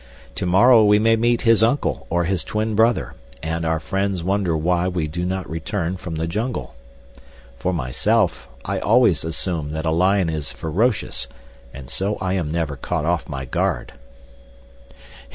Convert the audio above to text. To morrow we may meet his uncle or his twin brother, and our friends wonder why we do not return from the jungle. For myself, I always assume that a lion is ferocious, and so I am never caught off my guard."